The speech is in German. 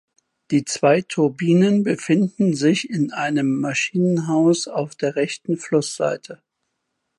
Die zwei Turbinen befinden sich in einem Maschinenhaus auf der rechten Flussseite.